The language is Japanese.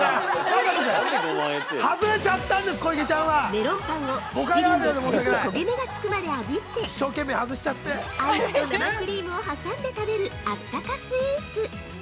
◆メロンパンを七輪で軽く焦げ目がつくまであぶってアイスと生クリームを挟んで食べるあったかスイーツ。